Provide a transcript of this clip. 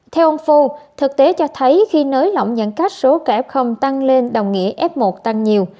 theo ông phu thực tế cho thấy khi nới lỏng nhận cách số kẻ f tăng lên đồng nghĩa f một tăng nhiều